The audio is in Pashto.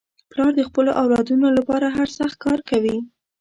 پلار د خپلو اولادنو لپاره هر سخت کار کوي.